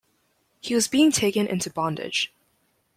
He was being taken into bondage.